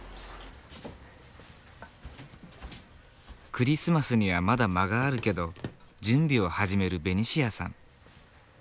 クリスマスにはまだ間があるけど準備を始めるベニシアさん。